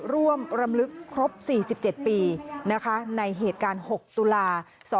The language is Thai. ร่วมรำลึกครบ๔๗ปีในเหตุการณ์หกตุลา๒๕๑๙